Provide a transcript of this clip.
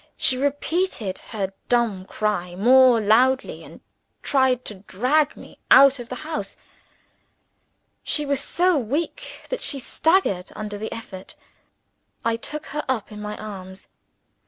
She repeated her dumb cry more loudly and tried to drag me out of the house. She was so weak that she staggered under the effort. I took her up in my arms.